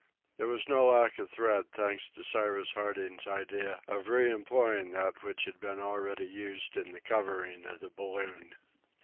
There was no lack of thread, thanks to Cyrus Harding's idea of re employing that which had been already used in the covering of the balloon.